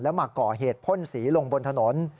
แล้วมาก่อเหตุพ่นสีลงบนถนน